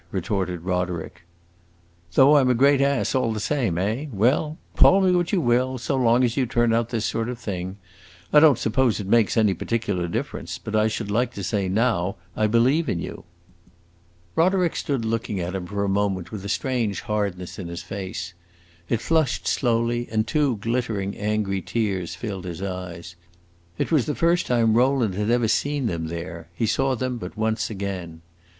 retorted Roderick. "Though I 'm a great ass, all the same, eh? Well, call me what you will, so long as you turn out this sort of thing! I don't suppose it makes any particular difference, but I should like to say now I believe in you." Roderick stood looking at him for a moment with a strange hardness in his face. It flushed slowly, and two glittering, angry tears filled his eyes. It was the first time Rowland had ever seen them there; he saw them but once again.